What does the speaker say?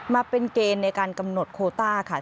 มาเป็นเกณฑ์ในการกำหนดโคต้าค่ะ